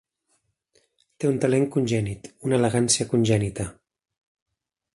Té un talent congènit, una elegància congènita.